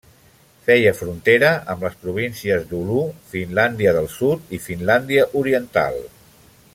Feia frontera amb les províncies d'Oulu, Finlàndia del Sud i Finlàndia Oriental.